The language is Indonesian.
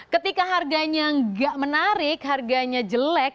ketika harganya nggak menarik harganya jelek